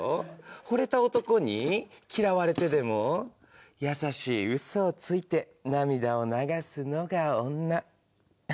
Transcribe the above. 惚れた男に嫌われてでも優しいウソをついて涙を流すのが女。